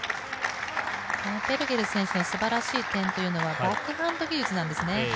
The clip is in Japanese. ペルゲル選手の素晴らしい点というのはバックハンド技術なんですね。